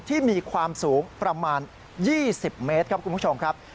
ที่มีความสูงประมาณ๒๐เมตรครับคุณผู้ชมครับ